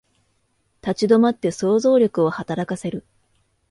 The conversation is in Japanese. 立ち止まって想像力を働かせる